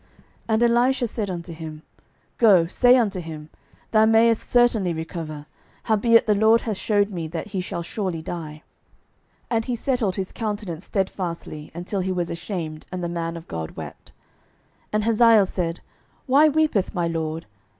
12:008:010 And Elisha said unto him, Go, say unto him, Thou mayest certainly recover: howbeit the LORD hath shewed me that he shall surely die. 12:008:011 And he settled his countenance stedfastly, until he was ashamed: and the man of God wept. 12:008:012 And Hazael said, Why weepeth my lord?